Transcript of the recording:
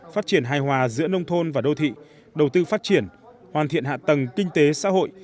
phát triển hài hòa giữa nông thôn và đô thị đầu tư phát triển hoàn thiện hạ tầng kinh tế xã hội